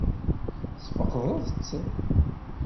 Tesfeqdeḍ-tt?